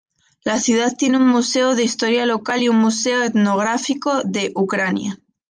La ciudad tiene un museo de historia local y un museo etnográfico de Ucrania.